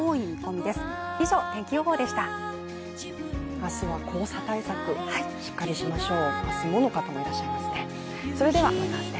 明日は黄砂対策、しっかりしましょう。